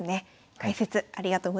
解説ありがとうございました。